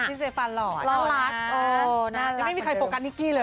เจฟันหล่อน่ารักยังไม่มีใครโฟกัสนิกกี้เลย